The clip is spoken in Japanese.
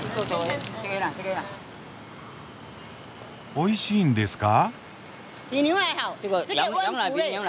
おいしいんですか？